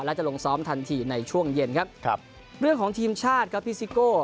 และจะลงซ้อมทันทีในช่วงเย็นครับครับเรื่องของทีมชาติครับพี่ซิโก้